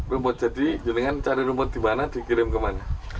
rumput jadi cari rumput di mana dikirim ke mana